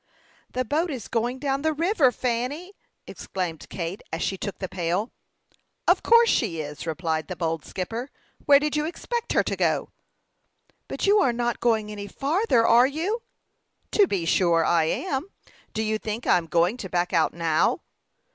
"The boat is going down the river, Fanny!" exclaimed Kate, as she took the pail. "Of course she is," replied the bold skipper. "Where did you expect her to go?" "But you are not going any farther are you?" "To be sure I am. Do you think I am going to back out now?"